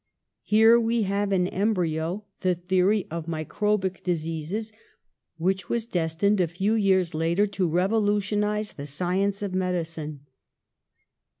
Here we have in embryo the theory of microbic dis eases, which was destined a few years later to revolutionise the science of medicine.